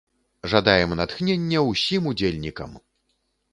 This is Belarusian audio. Жадаем натхнення ўсім удзельнікам!